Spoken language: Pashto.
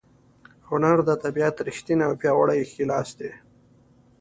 هنر د طبیعت ریښتینی او پیاوړی ښی لاس دی.